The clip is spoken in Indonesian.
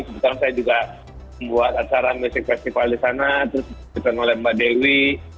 sebelumnya saya juga membuat acara music festival di sana terus dipilih oleh mbak dewi